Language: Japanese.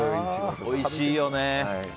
おいしいよね。